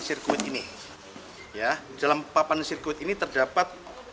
sirkuit ini ya dalam papan sirkuit ini terdapat